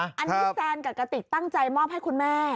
อันนี้แซนกับกระติกตั้งใจมอบให้คุณแม่